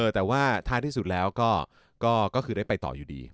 แต่ว่าท้ายที่สุดแล้วก็คือได้ไปต่ออยู่ดี